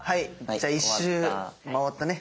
じゃあ１周回ったね。